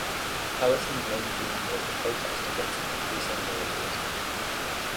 Ellison's main theme was the protest against increasing militarism.